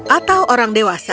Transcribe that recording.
atau orang dewasa